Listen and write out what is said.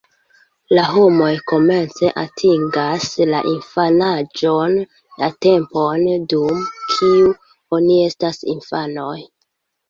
La homoj komence atingas la infanaĝon, la tempon, dum kiu oni estas infanoj.